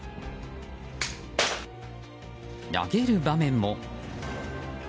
投げる場面も。